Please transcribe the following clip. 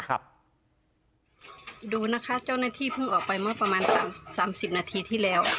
ดูนะคะเจ้าหน้าที่เพิ่งออกไปเมื่อประมาณ๓๐นาทีที่แล้ว